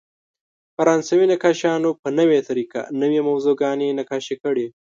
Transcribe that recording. فرانسوي نقاشانو په نوې طریقه نوې موضوعګانې نقاشي کړې.